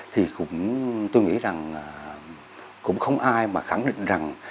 thì tôi nghĩ rằng cũng không ai mà khẳng định rằng